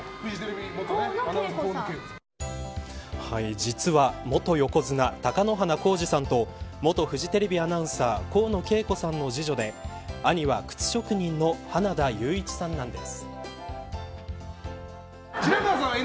実は元横綱貴乃花光司さんと元フジテレビアナウンサー河野景子さんの次女で兄は靴職人の花田優一さんなんです。